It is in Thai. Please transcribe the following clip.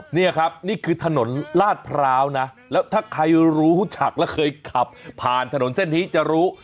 นี่ครับนี่คือถนนลาดพร้าวนะแล้วถ้าใครรู้จักแล้วเคยขับผ่านถนนเส้นนี้จะรู้